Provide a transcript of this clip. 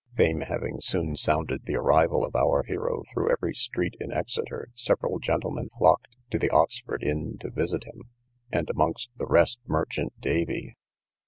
Fame having soon sounded the arrival of our hero through every street in Exeter, several gentlemen flocked to the Oxford Inn to visit him, and amongst the rest merchant Davy.